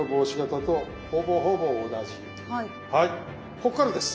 こっからです。